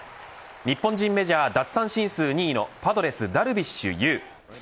日本人メジャー奪三振数２位のパドレス、ダルビッシュ有。